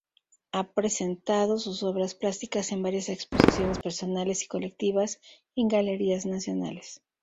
Ha presentado sus obras plásticas en varias exposiciones personales y colectivas en Galerías Nacionales.